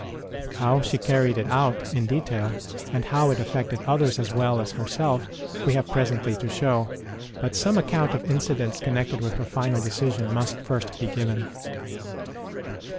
How she carried it out in detail, and how it affected others as well as herself, we have presently to show ; but some account of incidents connected with her final decision must first be given.